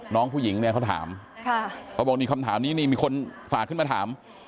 น้องผู้หญิงเนี่ยเขาถามเขาบอกนี่คำถามนี้นี่มีคนฝากขึ้นมาถาม